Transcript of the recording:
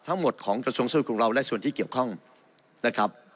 ทั้งหมดของกระทรวงศาสตร์ของเราและส่วนที่เกี่ยวข้องนะครับ